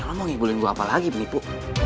lo mau ngibulin gue apa lagi penipu